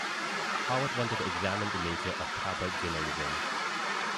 Howard wanted to examine the nature of tabloid journalism.